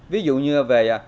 ví dụ như về